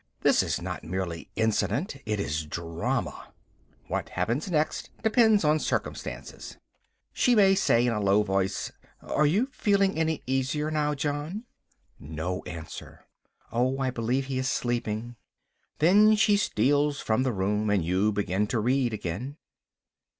This is not merely incident; it is drama. What happens next depends on circumstances. She says in a low voice "Are you feeling any easier now, John?" No answer. "Oh, I believe he is sleeping." Then she steals from the room, and you begin to read again.